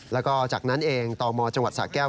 และจากนั้นเองตอมจังหวัดสาแก้ว